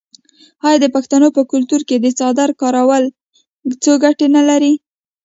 آیا د پښتنو په کلتور کې د څادر کارول څو ګټې نلري؟